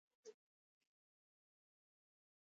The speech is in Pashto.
د هغوی د لیدلوري بیان ته ځای ورکړل شوی.